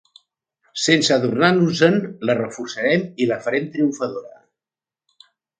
Sense adonar-nos-en, la reforçarem i la farem triomfadora.